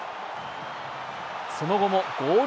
その後もゴール